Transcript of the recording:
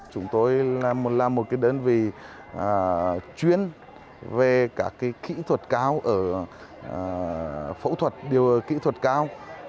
chúng tôi là một đơn vị chuyên về các kỹ thuật cao ở phẫu thuật điều kỹ thuật cao